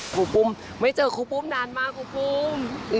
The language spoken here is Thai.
ครูปุ้มไม่เจอครูปุ้มนานมากครูปุ้ม